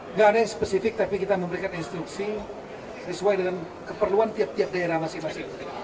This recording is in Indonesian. nggak ada yang spesifik tapi kita memberikan instruksi sesuai dengan keperluan tiap tiap daerah masing masing